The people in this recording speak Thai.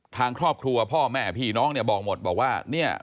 ทางครอบครัวพ่อแม่พี่น้องบอกหมดบอกว่า